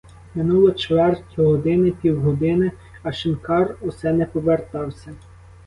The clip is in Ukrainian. Минуло чверть години, півгодини, а шинкар усе не повертався.